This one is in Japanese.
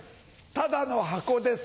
ただの箱です。